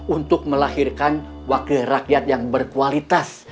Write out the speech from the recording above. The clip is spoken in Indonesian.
untuk melahirkan wakil rakyat yang berkualitas